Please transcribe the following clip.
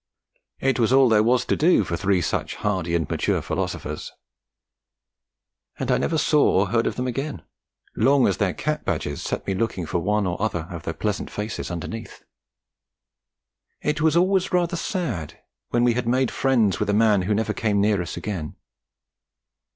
It was all there was to do for three such hardy and mature philosophers; and I never saw or heard of them again, long as their cap badge set me looking for one or other of their pleasant faces underneath. It was always rather sad when we had made friends with a man who never came near us again.